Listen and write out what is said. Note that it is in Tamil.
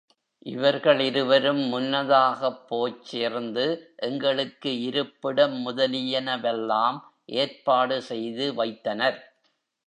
இவர்களிருவரும் முன்னதாகப் போய்ச் சேர்ந்து எங்களுக்கு இருப்பிடம் முதலியன வெல்லாம் ஏற்பாடு செய்து வைத்தனர்.